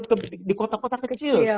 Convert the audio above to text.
atau di kota kota kecil